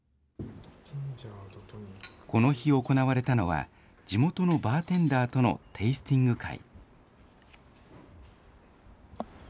この日、行われたのは、地元のバーテンダーとのテイスティング会。